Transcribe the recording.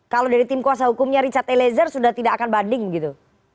kalau dari tim kuasa hukumnya richard eliezer sudah tidak akan banding begitu